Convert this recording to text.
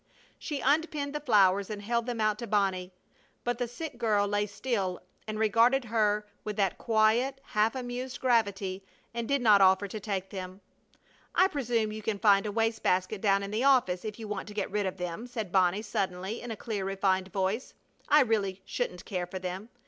She unpinned the flowers and held them out to Bonnie, but the sick girl lay still and regarded her with that quiet, half amused gravity and did not offer to take them. "I presume you can find a waste basket down in the office if you want to get rid of them," said Bonnie, suddenly, in a clear, refined voice. "I really shouldn't care for them.